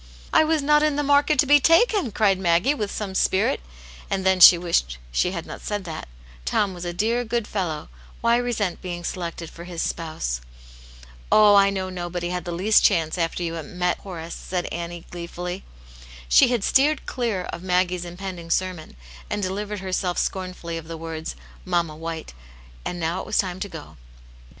"I was not in the market to be taken .^" cried Maggie, with some spirit. And then she wished she had not said that ; Tom was a dear, good fellow, why resent being selected for his spouse }" Oh, I know nobody had the least chance after you met Horace " said Atvme, ^kefuUy, She had Aunt Janets Hero. 177 steered clear of Maggie's impending sermon, arid delivered herself scornfully of the words, " Mamma White," and now it was time to go.